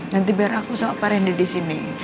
nanti biar aku sama pak randy di sini